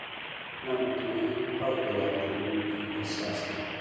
نا مطمئن او فریاد کوونکي احساس کوي.